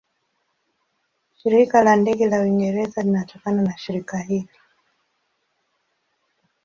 Shirika la Ndege la Uingereza linatokana na shirika hili.